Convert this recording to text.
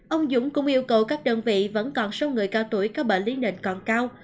ông dũng cũng yêu cầu các đơn vị vẫn còn số người cao tuổi có bệnh lý nền còn cao